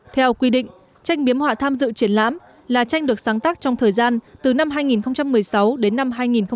theo quy định tranh biếm họa tham dự triển lãm là tranh được sáng tác trong thời gian từ năm hai nghìn một mươi sáu đến năm hai nghìn một mươi tám